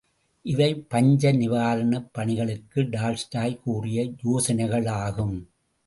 இவை பஞ்ச நிவாரணப் பணிகளுக்கு டால்ஸ்டாய் கூறிய யோசனைகளாகும்.